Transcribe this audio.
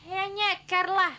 ya nyeker lah